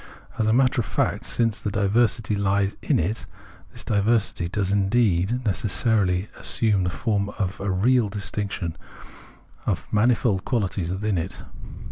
As a matter of fact, since the diversity lies in it, this diversity does indeed necessarily assume 118 Phenomenology of Mind the form of a real distinction of manifold quaUties within it.